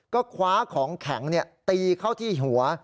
ก็คว้าของแข็งตีเข้าที่หัว